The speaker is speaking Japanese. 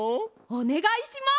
おねがいします。